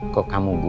kok kamu gugup